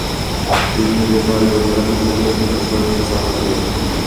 იგი მდებარეობს შტატის სამხრეთ-დასავლეთ სანაპიროზე.